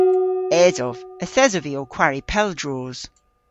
Esov. Yth esov vy ow kwari pel droos.